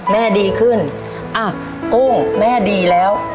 แม่ดีขึ้นโก้งแม่ดีแล้ว